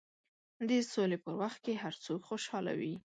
د سولې په وخت کې هر څوک خوشحاله وي.